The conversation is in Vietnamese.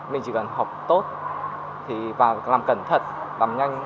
mình chỉ cần học tốt và làm cẩn thận làm nhanh